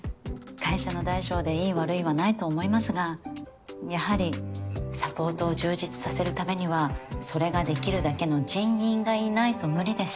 会社の大小でいい悪いはないと思いますがやはりサポートを充実させるためにはそれができるだけの人員がいないと無理です。